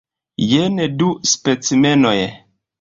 Jen du specimenoj.